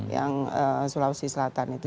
yang sulawesi selatan itu